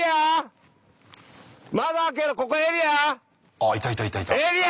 あっいたいたいたいた！